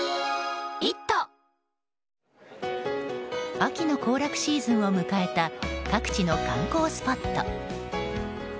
秋の行楽シーズンを迎えた観光スポット。